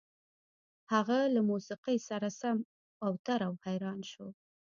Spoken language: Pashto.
هغه له موسيقۍ سره سم اوتر او حيران شو.